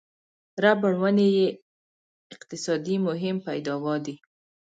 ربړ ونې یې اقتصادي مهم پیداوا دي.